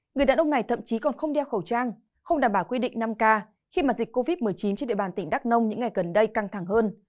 người đàn ông này thậm chí còn không đeo khẩu trang không đảm bảo quy định năm k khi mà dịch covid một mươi chín trên địa bàn tỉnh đắk nông những ngày gần đây căng thẳng hơn